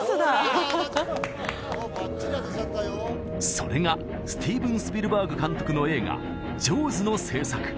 それがスティーブン・スピルバーグ監督の映画「ジョーズ」の製作